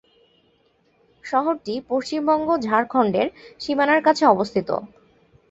শহরটি পশ্চিমবঙ্গ-ঝাড়খণ্ডের সীমানার কাছে অবস্থিত।